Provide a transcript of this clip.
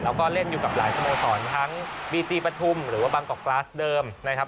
แล้วก็เล่นอยู่กับหลายสโมสรทั้งบีจีปฐุมหรือว่าบางกอกกลาสเดิมนะครับ